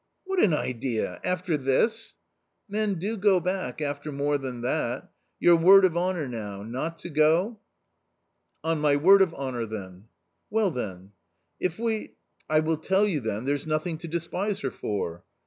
"What an idea ! after this." u Men do go back after more than that ! your word of honour now — not to go ?"" On my word of honour then." " Well, then." " If we "" I will tell you then there's nothing to despise her for."